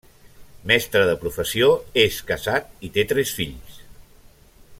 Mestre de professió, és casat i té tres fills.